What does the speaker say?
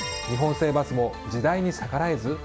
日本製バスも時代に逆らえず？